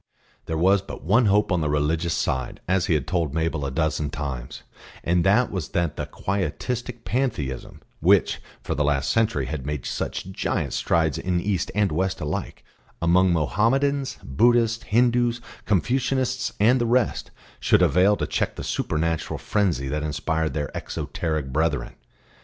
There was but one hope on the religious side, as he had told Mabel a dozen times, and that was that the Quietistic Pantheism which for the last century had made such giant strides in East and West alike, among Mohammedans, Buddhists, Hindus, Confucianists and the rest, should avail to check the supernatural frenzy that inspired their exoteric brethren.